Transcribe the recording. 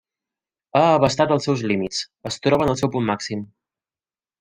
Ha abastat els seus límits, es troba en el seu punt màxim.